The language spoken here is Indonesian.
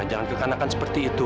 jangan kekanakan seperti itu